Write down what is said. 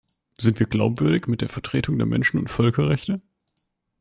Sind wir glaubwürdig mit der Vertretung der Menschen- und Völkerrechte?